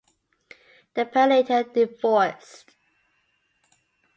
The pair later divorced.